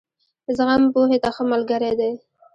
زغم، پوهې ته ښه ملګری دی.